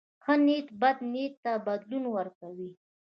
ښه نیت بد نیت ته بدلون ورکوي.